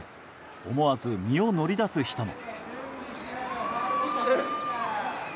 思わず身を乗り出す人も。